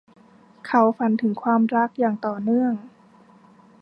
เขาฝันถึงความรักอย่างต่อเนื่อง